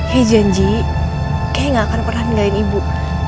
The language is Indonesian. kek janji kek gak akan pernah ninggalin ibu